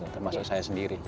termasuk saya sendiri